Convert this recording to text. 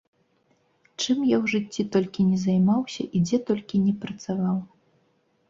Чым я ў жыцці толькі не займаўся і дзе толькі не працаваў.